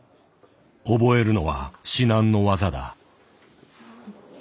覚えるのは至難の業だ。